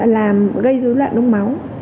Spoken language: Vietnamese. làm gây dối loạn đông máu